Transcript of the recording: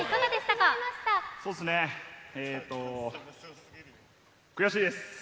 そうですね、悔しいです。